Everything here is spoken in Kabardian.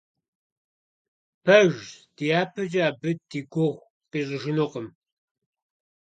Пэжщ, дяпэкӀэ абы ди гугъу къищӀыжынукъым.